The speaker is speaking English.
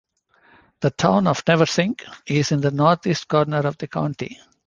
The Town of Neversink is in the northeast corner of the county.